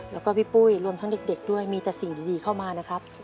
แล้วก็พี่ปุ้ยรวมทั้งเด็กด้วยมีแต่สิ่งดีเข้ามานะครับ